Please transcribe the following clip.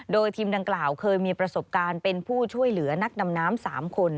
โดยทีมดังกล่าวเคยมีประสบการณ์เป็นผู้ช่วยเหลือนักดำน้ำ๓คน